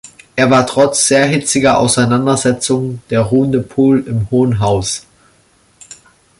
Er war trotz sehr hitziger Auseinandersetzungen der „ruhende Pol im Hohen Haus“.